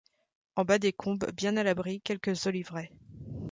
En bas des combes, bien à l'abri, quelques oliveraies.